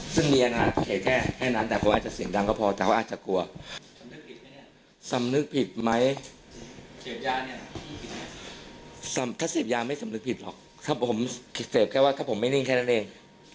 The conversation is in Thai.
สำถ้าเสพยาไม่สำนึกผิดหรอกถ้าผมเสพแค่ว่าถ้าผมไม่นิ่งแค่นั้นเอง